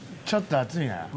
ちょっと熱いね。